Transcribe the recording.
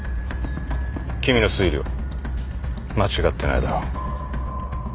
君の推理は間違ってないだろう。